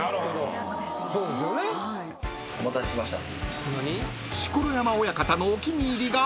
お待たせしました。